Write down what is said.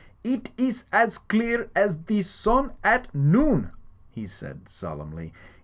"It iss as clear as the sun at noon," he said solemnly.